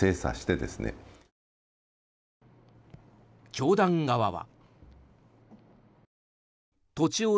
教団側は。